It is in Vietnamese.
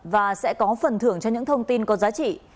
và sẽ có phần thưởng cho những thông tin có giá trị